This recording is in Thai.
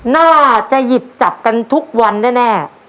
น่าจะหยิบจับกันทุกวันแน่